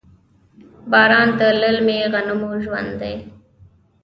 باران د للمي غنمو ژوند دی.